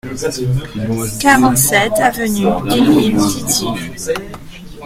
quarante-sept avenue Émile Didier